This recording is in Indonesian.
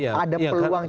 ada peluang celah celah itu